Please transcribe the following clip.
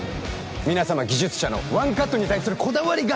皆様技術者のワンカットに対するこだわりが